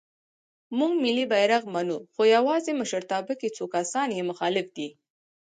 مونږ ملی بیرغ منو خو یواځې مشرتابه کې څو کسان یې مخالف دی.